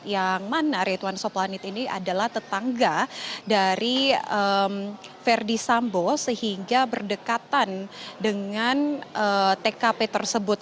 yang mana rituan soplanit ini adalah tetangga dari verdi sambo sehingga berdekatan dengan tkp tersebut